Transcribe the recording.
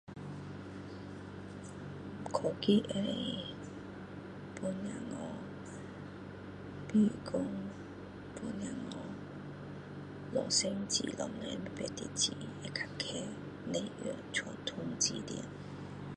教育可以帮助到比如说帮小孩学生字比较快不用用传统字典